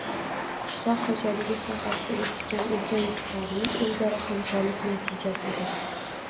qishloq xo‘jaligi sohasida erishgan ulkan yutuqlarimiz o‘zaro hamkorlik natijasidir.